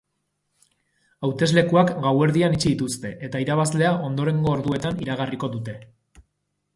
Hauteslekuak gauerdian itxi dituzte eta irabazlea ondorengo orduetan iragarriko dute.